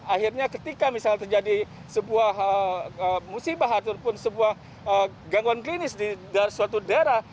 akhirnya ketika misalnya terjadi sebuah musibah ataupun sebuah gangguan klinis di suatu daerah